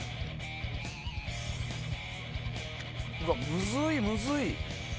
むずい、むずい。